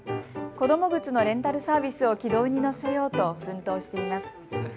子ども靴のレンタルサービスを軌道に乗せようと奮闘しています。